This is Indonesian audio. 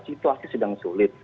situasi sedang sulit